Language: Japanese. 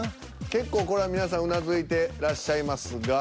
結構これは皆さんうなずいてらっしゃいますが。